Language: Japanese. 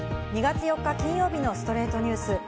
２月４日、金曜日の『ストレイトニュース』。